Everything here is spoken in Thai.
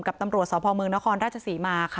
ตำรวจสพเมืองนครราชศรีมาค่ะ